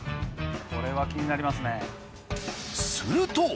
これは気になりますね。